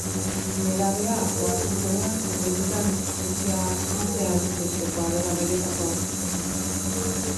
Nerabea ohartuko da zenbaitetan etxea uztea ezinbestekoa dela benetakoa aurkitzeko.